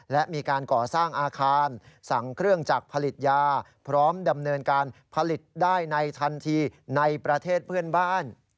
และมีการก่อสร้างอาคารสั่งเครื่องจักรผลิตยาพร้อมดำเนินการผลิตได้ในทันทีในประเทศเพื่อนบ้าน